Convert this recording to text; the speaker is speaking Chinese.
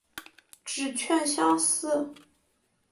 指券相似。